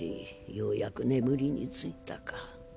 ようやく眠りについたか。